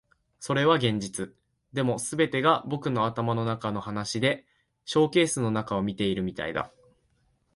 それは現実。でも、全てが僕の頭の中の話でショーケースの中を見ているみたいだ。